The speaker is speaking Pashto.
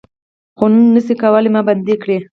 خو نه شئ کولای ما بندۍ کړي